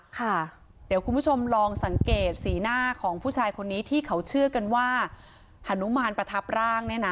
ค่ะเดี๋ยวคุณผู้ชมลองสังเกตสีหน้าของผู้ชายคนนี้ที่เขาเชื่อกันว่าฮานุมานประทับร่างเนี่ยนะ